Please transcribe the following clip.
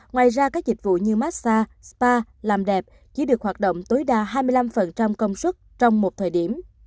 ngoài ra các dịch vụ như massag spa làm đẹp chỉ được hoạt động tối đa hai mươi năm công suất trong một thời điểm